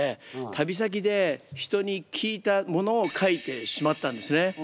旅先で人に聞いたものを書いてしまったんですね。